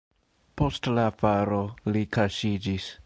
Post la falo li kaŝiĝis.